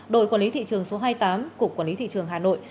đội quản lý thị trường số hai mươi tám cục quản lý thị trường hà nội